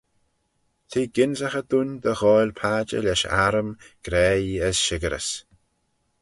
T'eh gynsaghey dooin dy ghoaill padjer lesh arrym, graih, as shickyrys.